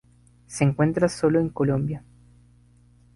Se encuentra solo en Colombia.